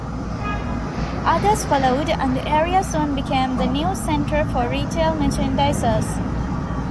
Others followed, and the area soon became the new centre for retail merchandisers.